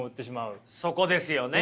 そこですよね。